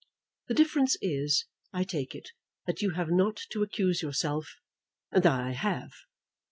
The difference is, I take it, that you have not to accuse yourself, and that I have."